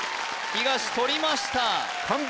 東とりました完璧！